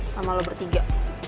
sama lo bertiga